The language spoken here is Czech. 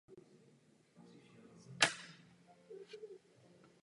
Systém byl často kritizován pro jeho přílišné technologické zaměření.